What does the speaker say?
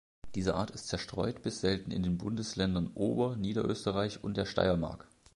Diese Art ist zerstreut bis selten in den Bundesländern Ober-, Niederösterreich und der Steiermark.